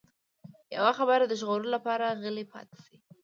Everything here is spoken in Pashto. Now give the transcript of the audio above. يوه خبره د ژغورلو لپاره غلی پاتې شي.